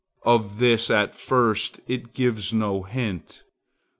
Of this at first it gives no hint.